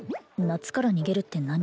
夏から逃げるって何？